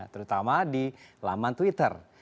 terutama di laman twitter